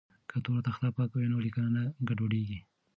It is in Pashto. که تور تخته پاکه وي نو لیک نه ګډوډیږي.